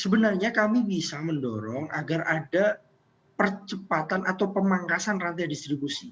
sebenarnya kami bisa mendorong agar ada percepatan atau pemangkasan rantai distribusi